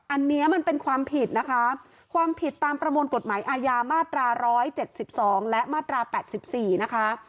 อันเนี้ยมันเป็นความผิดนะคะความผิดตามประมวลกฎหมายอาญามาตราร้อยเจ็ดสิบสองและมาตราแปดสิบสี่นะคะ